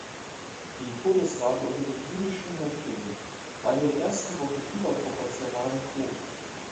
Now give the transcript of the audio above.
Die Todesrate unter den jüdischen Häftlingen war in den ersten Wochen überproportional hoch.